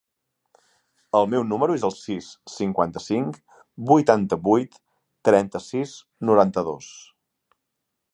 El meu número es el sis, cinquanta-cinc, vuitanta-vuit, trenta-sis, noranta-dos.